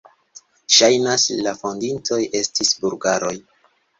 Ŝajnas, la fondintoj estis bulgaroj.